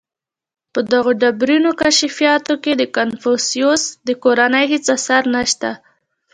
• په دغو ډبرینو کشفیاتو کې د کنفوسیوس د کورنۍ هېڅ آثار نهشته.